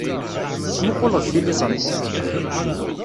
Tettmuqquleḍ tiliẓri?